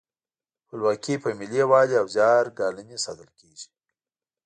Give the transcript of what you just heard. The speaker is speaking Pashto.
خپلواکي په ملي یووالي او زیار ګالنې ساتل کیږي.